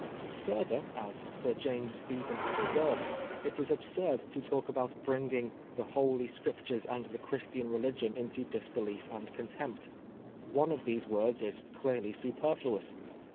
Further, as Sir James Stephen has observed, it is absurd to talk about bringing " the Holy Scriptures and the Christian religion into disbelief and contempt." One of these words is clearly superfluous.